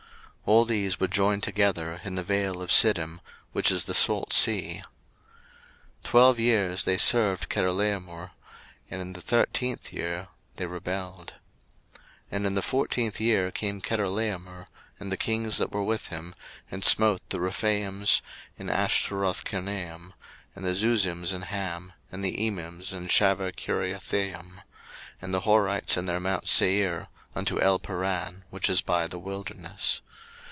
01:014:003 All these were joined together in the vale of Siddim, which is the salt sea. 01:014:004 Twelve years they served Chedorlaomer, and in the thirteenth year they rebelled. 01:014:005 And in the fourteenth year came Chedorlaomer, and the kings that were with him, and smote the Rephaims in Ashteroth Karnaim, and the Zuzims in Ham, and the Emins in Shaveh Kiriathaim, 01:014:006 And the Horites in their mount Seir, unto Elparan, which is by the wilderness.